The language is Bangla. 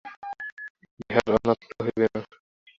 ইহার অন্যথা হইবে না।